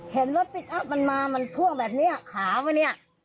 เห็นรถปิ๊กอั๊บมันมามันพ่วงแบบนี้ขาวนี่